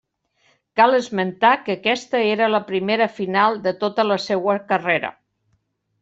Cal esmentar que aquesta era la primera final de tota la seua carrera.